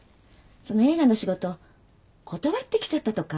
その映画の仕事断ってきちゃったとか？